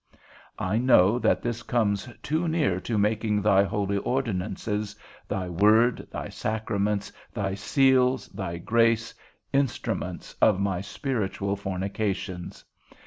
I know that this comes too near to a making thy holy ordinances, thy word, thy sacraments, thy seals, thy grace, instruments of my spiritual fornications.